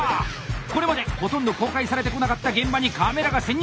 これまでほとんど公開されてこなかった現場にカメラが潜入。